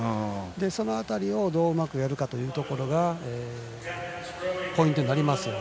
その辺りをどううまくやるかというのがポイントになりますね。